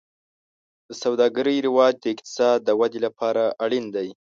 د سوداګرۍ رواج د اقتصاد د ودې لپاره اړین دی.